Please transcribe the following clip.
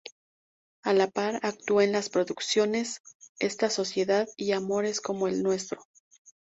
A la par, actuó en las producciones "Esta Sociedad" y "Amores como el nuestro".